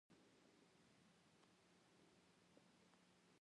بایسکل د پیسو سپما ته ګټه لري.